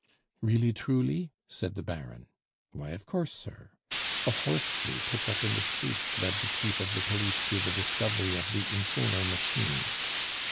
"Really truly?" said the Baron. "Why, of course, sir. A horseshoe picked up in the street led the chief of the police to the discovery of the infernal machine.